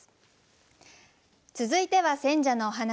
続いては選者のお話。